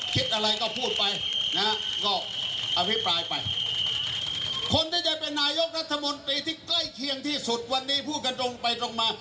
ใกล้เคียงที่สุดวันนี้พูดกันตรงไปตรงมา